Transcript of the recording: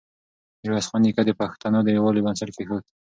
ميرويس خان نیکه د پښتنو د يووالي بنسټ کېښود.